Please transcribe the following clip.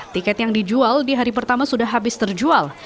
tiket yang dijual di hari pertama sudah habis terjual